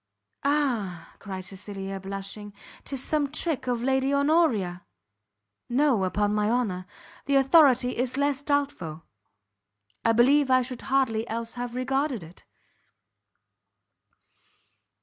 "Ah!" cried Cecilia, blushing, "'tis some trick of Lady Honoria!" "No, upon my honour. The authority is less doubtful; I believe I should hardly else have regarded it."